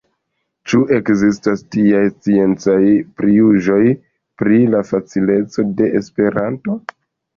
Ĉu ekzistas tiaj sciencaj prijuĝoj pri la facileco de Esperanto?